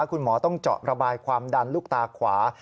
คุณหมอต้องเจาะระบายความดันลูกตาขวา